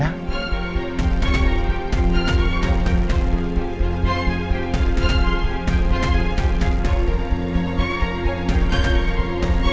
dan selamat berchoack